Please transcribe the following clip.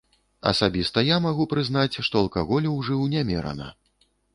Асабіста я магу прызнаць, што алкаголю ўжыў нямерана.